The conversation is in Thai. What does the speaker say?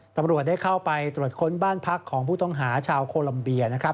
ตำรวจได้เข้าไปตรวจค้นบ้านพักของผู้ต้องหาชาวโคลัมเบียนะครับ